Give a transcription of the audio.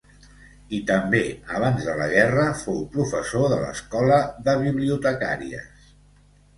I també abans de la guerra fou professor de l'Escola de Bibliotecàries.